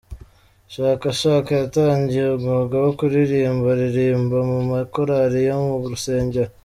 Chaka Chaka yatangiye umwuga wo kuririmba aririmba mu ma korari yo mu rusengero.